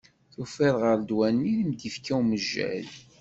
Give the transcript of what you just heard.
Tufiḍ ɣer ddwa-nni i m-d-ifka umejjay?